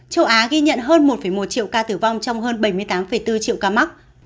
châu á ghi nhận hơn một một triệu ca tử vong trong hơn bảy mươi tám bốn triệu ca mắc